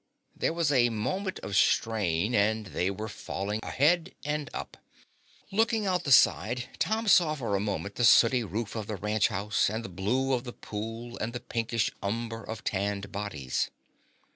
There was a moment of strain and they were falling ahead and up. Looking out the side, Tom saw for a moment the sooty roof of the ranch house and the blue of the pool and the pinkish umber of tanned bodies.